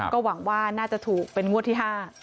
ก็หวังว่าน่าจะถูกเป็นงวดที่๕